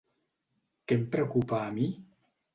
Què em preocupa a mi?